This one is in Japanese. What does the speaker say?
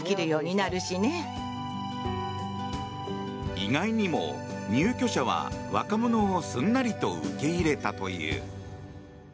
意外にも、入居者は若者をすんなりと受け入れたという。